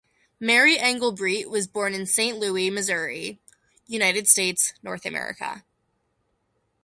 Mary Engelbreit was born in Saint Louis, Missouri, United States, North America.